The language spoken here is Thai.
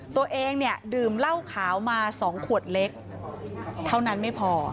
ตัวเองเนี่ยดื่มเหล้าขาวมา๒ขวดเล็กเท่านั้นไม่พอ